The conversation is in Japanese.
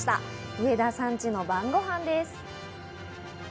上田さんちの晩ごはんです。